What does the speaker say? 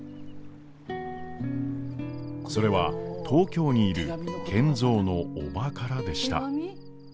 それは東京にいる賢三の叔母からでした。